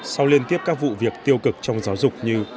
sau liên tiếp các vụ việc tiêu cực trong giáo dục như